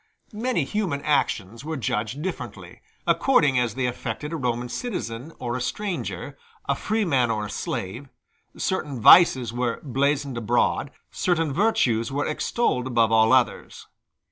Many human actions were judged differently, according as they affected a Roman citizen or a stranger, a freeman or a slave; certain vices were blazoned abroad, certain virtues were extolled above all others.